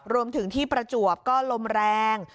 รวมถึงที่ประจวบก็ลมแรง